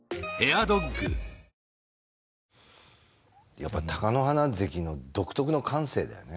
やっぱ貴乃花関の独特の感性だよね